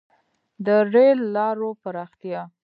• د رېل لارو پراختیا.